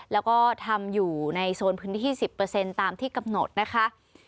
แล้วก็ทำอยู่ในโซนพื้นที่๑๐ตามที่กำหนดนะคะ